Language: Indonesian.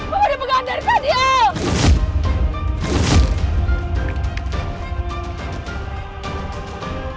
mama dipegang dari kadi al